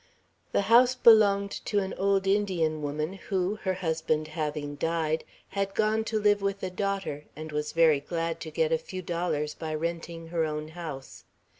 The house belonged to an old Indian woman who, her husband having died, had gone to live with a daughter, and was very glad to get a few dollars by renting her own house.